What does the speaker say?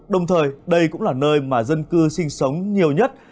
đồng thời đây cũng là nơi mà dân cư sinh sống nhiều nhất